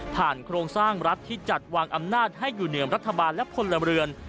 โครงสร้างรัฐที่จัดวางอำนาจให้อยู่เหนือรัฐบาลและพลเรือน